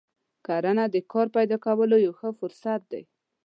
کرنه د کار پیدا کولو یو ښه فرصت دی.